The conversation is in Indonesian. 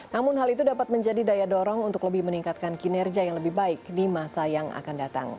namun hal itu dapat menjadi daya dorong untuk lebih meningkatkan kinerja yang lebih baik di masa yang akan datang